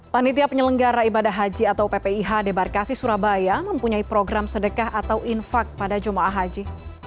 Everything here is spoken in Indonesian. panitia penyelenggara ibadah haji atau ppih debarkasi surabaya mempunyai program sedekah atau infak pada ⁇ jumah ⁇ haji